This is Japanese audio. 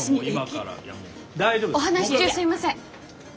お話し中すいません。